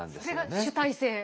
それが主体性。